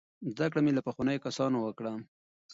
زده کړه مې له پخوانیو کسانو وکړه.